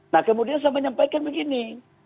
nah kemudian saya menyampaikan begini